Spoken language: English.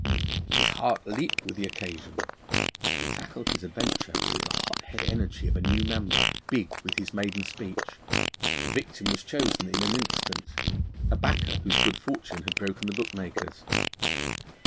His heart leaped with the occasion: he tackled his adventure with the hot head energy of a new member, big with his maiden speech. The victim was chosen in an instant: a backer, whose good fortune had broken the bookmakers.